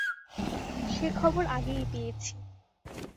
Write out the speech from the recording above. সে খবর আগেই পেয়েছি।